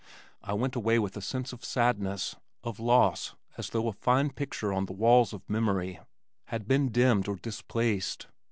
I went away with a sense of sadness, of loss as though a fine picture on the walls of memory had been dimmed or displaced.